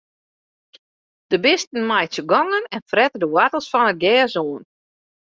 De bisten meitsje gongen en frette de woartels fan it gers oan.